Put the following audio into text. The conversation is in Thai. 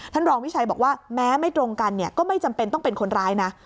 รองวิชัยบอกว่าแม้ไม่ตรงกันเนี่ยก็ไม่จำเป็นต้องเป็นคนร้ายนะ